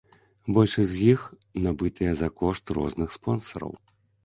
Большасць з іх набытыя за кошт розных спонсараў.